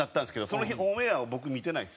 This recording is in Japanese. その日オンエアを僕見てないんです